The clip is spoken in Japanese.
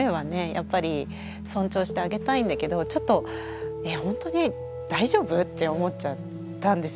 やっぱり尊重してあげたいんだけどちょっと「本当に大丈夫？」って思っちゃったんですよ。